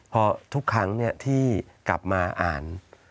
พอทุกครั้งที่กลับมาอ่าน